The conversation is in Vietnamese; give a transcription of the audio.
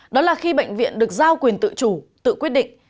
đó là khi bệnh viện được giao quyền tự chủ tự quyết định